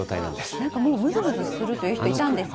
なんかもう、むずむずするという人もいたんですけれども。